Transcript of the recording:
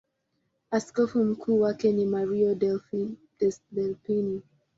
Askofu mkuu wake ni Mario Delpini.